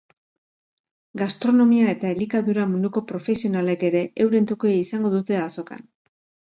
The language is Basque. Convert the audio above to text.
Gastronomia eta elikadura munduko profesionalek ere euren tokia izango dute azokan.